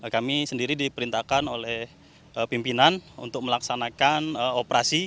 kami sendiri diperintahkan oleh pimpinan untuk melaksanakan operasi